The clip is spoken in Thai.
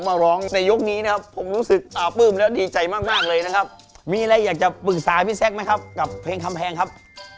อยากจะปรึกษาเรื่องอารมณ์เพลงครับ